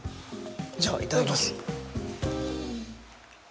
じゃあいただきます。